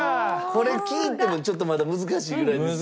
これ聞いてもちょっとまだ難しいぐらいですよね。